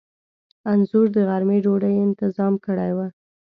انځور د غرمې ډوډۍ انتظام کړی و.